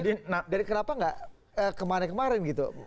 jadi kenapa nggak kemarin kemarin gitu